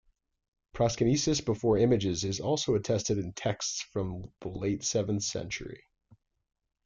Proskynesis before images is also attested in texts from the late seventh century.